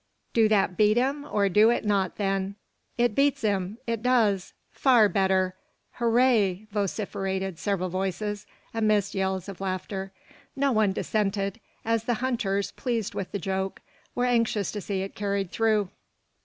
"Do that beat him, or do it not, then?" "It beats him!" "It does!" "Far better!" "Hooray!" vociferated several voices, amidst yells of laughter. No one dissented, as the hunters, pleased with the joke, were anxious to see it carried through.